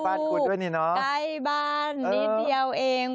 ใกล้บ้านนิดเดียวเอง